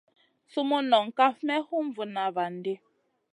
Sumun nong kaf may hum vuna van di.